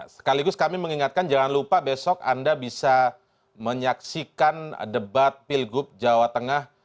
sekaligus kami mengingatkan jangan lupa besok anda bisa menyaksikan debat pilgub jawa tengah